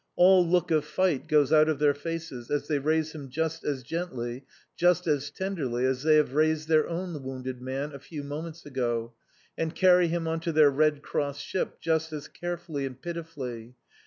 All look of fight goes out of their faces, as they raise him just as gently, just as tenderly as they have raised their own wounded man a few moments ago, and carry him on to their Red Cross ship, just as carefully and pitifully.